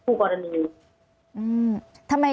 พู่กรณี